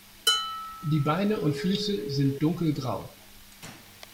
Die Beine und Füße sind dunkelgrau.